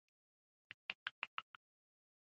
بامیان د افغان کورنیو د دودونو مهم عنصر دی.